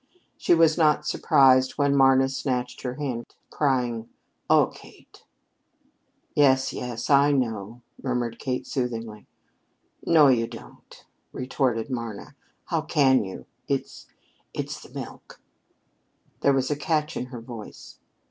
She was not surprised when Marna snatched her hand, crying: "Oh, Kate!" "Yes, yes, I know," murmured Kate soothingly. "No, you don't," retorted Marna. "How can you? It's it's the milk." There was a catch in her voice.